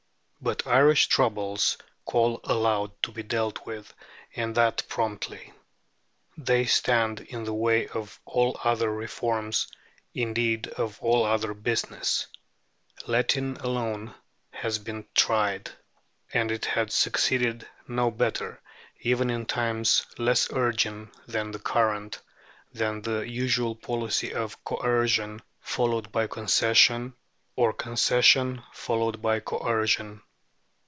But Irish troubles call aloud to be dealt with, and that promptly. They stand in the way of all other reforms, indeed of all other business. Letting alone has been tried, and it has succeeded no better, even in times less urgent than the present, than the usual policy of coercion followed by concession, or concession followed by coercion.